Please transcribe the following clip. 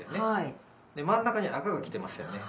真ん中に赤が来てますよね。